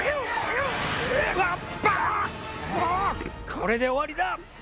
これで終わりだ！